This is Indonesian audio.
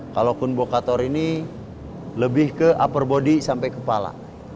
kalau kun bokator ini lebih ke upper body sampai kepala